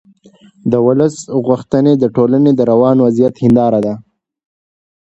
د ولس غوښتنې د ټولنې د روان وضعیت هنداره ده